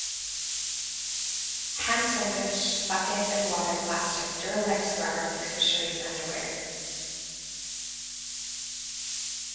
Ham sandwich, bucket and water plastic Duralex rubber McFisheries underwear.